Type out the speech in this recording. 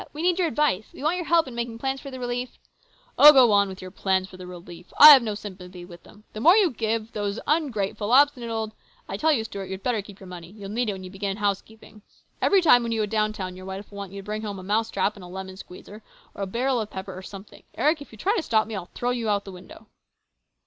We need your advice. We want your help in making plans for the relief " Oh, go on with your plans for relief ! I have no sympathy with them ! The more you give those ungrateful, obstinate old I tell you, Stuart, you'd better keep your money. You'll need it when you begin housekeeping. Every time when you go down town your wife will want you to bring home a mouse trap and a lemon squeezer, or a barrel of pepper or something. Eric, if you try to stop me, I'll throw you through the window."